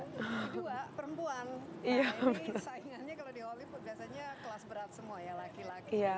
kedua perempuan ini saingannya kalau di holly biasanya kelas berat semua ya laki laki